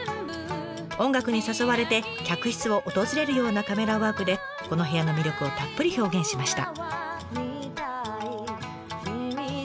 音楽に誘われて客室を訪れるようなカメラワークでこの部屋の魅力をたっぷり表現しました。